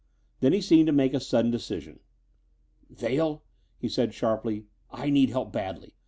Then he seemed to make a sudden decision. "Vail," he said sharply, "I need help badly.